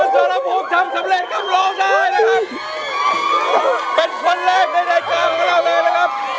เป็นคนแรกในใดเก่าของเราเลยนะครับ